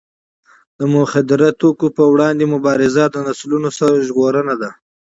د مخدره توکو پر وړاندې مبارزه د نسلونو ژغورنه ده.